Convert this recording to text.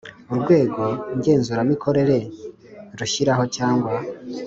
Urwego ngenzuramikorere rushyiraho cyangwa